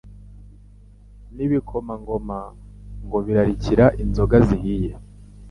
n’ibikomangoma ngo birarikire inzoga zihiye